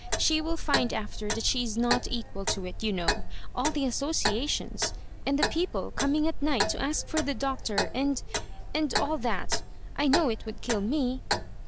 She will find after that she is not equal to it, you know ; all the associations — and the people com ing at night to ask for the Doctor — and — and all that. I know it would kill we."